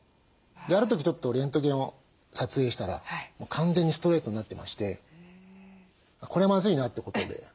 ある時ちょっとレントゲンを撮影したら完全にストレートになってましてこれはまずいなってことで。